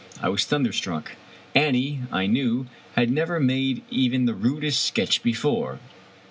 I was thun derstruck. Annie, I knew, had never made even the rudest sketch before.